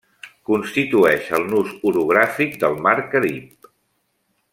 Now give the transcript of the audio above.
Constitueix el nus orogràfic del mar Carib.